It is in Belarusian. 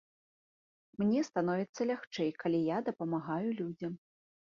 Мне становіцца лягчэй, калі я дапамагаю людзям.